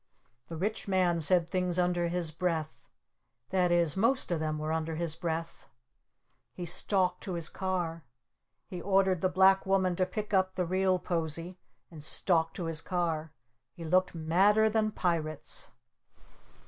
The Rich Man said things under his breath. That is, most of them were under his breath. He stalked to his car. He ordered the Black Woman to pick up the Real Posie and stalk to his car! He looked madder than Pirates!